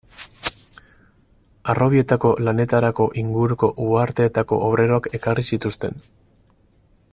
Harrobietako lanetarako inguruko uharteetako obreroak ekarri zituzten.